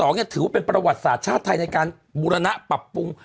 ถือว่าเป็นประวัติศาสตร์ชาติไทยในการบูรณะปรับปรุง